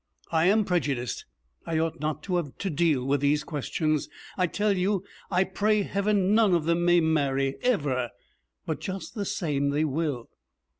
'I am prejudiced. I ought not to have to deal with these questions. I tell you, I pray Heaven none of them may marry ever; but, just the same, they will!